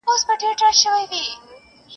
د زمري په اندېښنې وو پوهېدلی `